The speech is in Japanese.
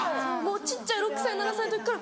小っちゃい６歳７歳の時から。